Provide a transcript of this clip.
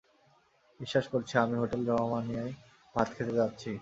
বিশ্বাস করছি, আমি হোটেল রহমানিয়ায় ভাত খেতে যাচ্ছি।